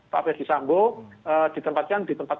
pak f s disambo ditempatkan di tempat